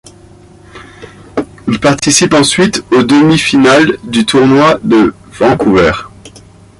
Il participe ensuite aux demi-finales du tournoi de Vancouver.